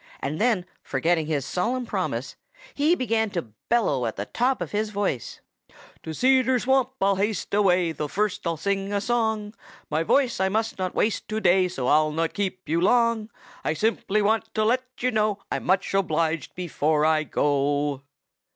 And then forgetting his solemn promise, he began to bellow at the top of his voice: "To Cedar Swamp I'll haste away; Though first I'll sing a song. My voice I must not waste to day, So I'll not keep you long. I simply want to let you know I'm much obliged, before I go."